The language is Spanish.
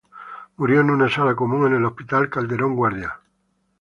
Murió en una sala común en el hospital Calderón Guardia.